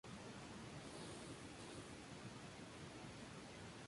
Autun está clasificada como Ville d'Art et d'Histoire.